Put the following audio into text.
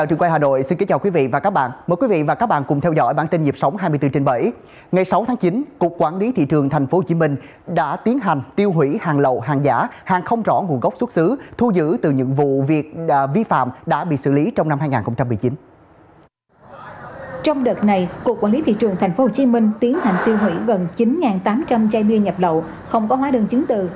trong đợt này cục quản lý thị trường tp hcm tiến hành tiêu hủy gần chín tám trăm linh chai bia nhập lậu không có hóa đơn chứng tự